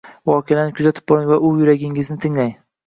Voqealarni kuzatib boring va yuragingizni tinglang